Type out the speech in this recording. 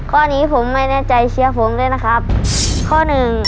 ข้อนี้ผมไม่แน่ใจเชียร์ผมด้วยนะครับข้อหนึ่ง